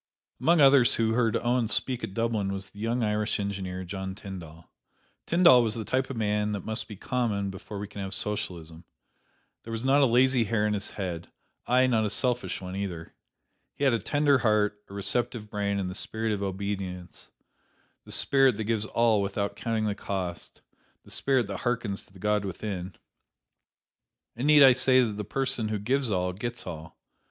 Among others who heard Owen speak at Dublin was the young Irish engineer, John Tyndall. Tyndall was the type of man that must be common before we can have Socialism. There was not a lazy hair in his head; aye, nor a selfish one, either. He had a tender heart, a receptive brain and the spirit of obedience, the spirit that gives all without counting the cost, the spirit that harkens to the God within. And need I say that the person who gives all, gets all!